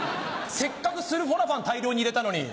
せっかくスルフォラファン大量に入れたのに。